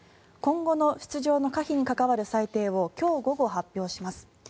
今後の出場の可否に関わる裁定を今日午後、発表します。